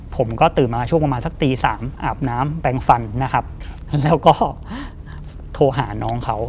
ผมก็ตื่นมาช่วงประมาณสักตีสามอาบน้ำแปลงฟันนะครับแล้วก็โทรหาน้องเขา